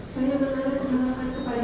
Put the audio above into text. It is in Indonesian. saya menerima kebangkakan kepala